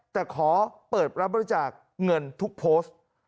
แต่ขอเปิดรับบริจาคเงินทุกโพสต์